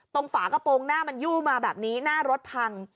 ฝากระโปรงหน้ามันยู่มาแบบนี้หน้ารถพัง